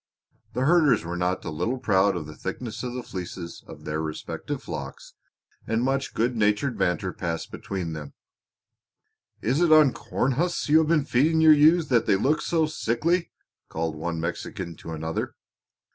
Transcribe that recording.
The herders were not a little proud of the thickness of the fleeces of their respective flocks and much good natured banter passed between them. "Is it on corn husks you have been feeding your ewes that they look so sickly?" called one Mexican to another.